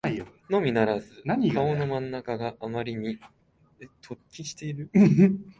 のみならず顔の真ん中があまりに突起している